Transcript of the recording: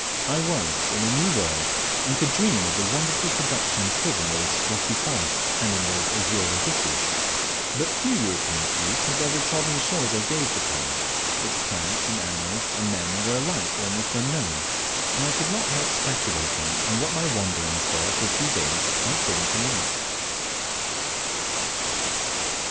I was in a new world, and could dream of the wonderful productions hid in those rocky forests, and in those azure abysses. But few European feet had ever trodden the shores I gazed upon its plants, and animals, and men were alike almost unknown, and I could not help speculating on what my wanderings there for a few days might bring to light.